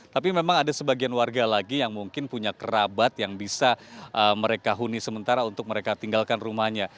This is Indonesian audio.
tapi memang ada sebagian warga lagi yang mungkin punya kerabat yang bisa mereka huni sementara untuk mereka tinggalkan rumahnya